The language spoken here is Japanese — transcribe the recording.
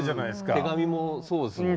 手紙もそうですもんね。